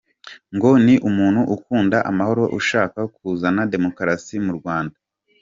Ngo ni umuntu ukunda amahoro ushaka kuzana demokarasi mu Rwanda !